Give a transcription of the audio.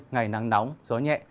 ngày nắng nóng gió nhẹ